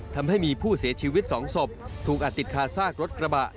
ทำให้มีผู้เสียชีวิต๒ศพถูกอัดติดคาซากรถกระบะ